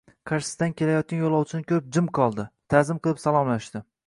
Qarshidan kelayotgan yoʻlovchini koʻrib jim qoldi, taʼzim qilib salomlashdi